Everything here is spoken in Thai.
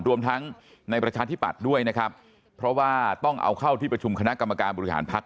รวมทั้งในประชาธิปัตย์ด้วยนะครับเพราะว่าต้องเอาเข้าที่ประชุมคณะกรรมการบริหารพักษ